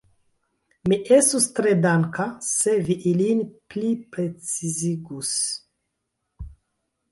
Mi estus tre danka, se vi ilin pliprecizigus.